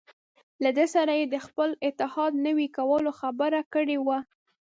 له ده سره یې د خپل اتحاد نوي کولو خبره کړې وه.